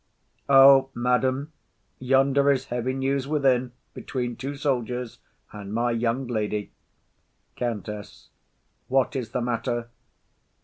O madam, yonder is heavy news within between two soldiers and my young lady. COUNTESS. What is the matter?